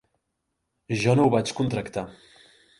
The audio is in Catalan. Jo no ho vaig contractar.